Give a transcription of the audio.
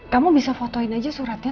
kamu bisa fotoin aja suratnya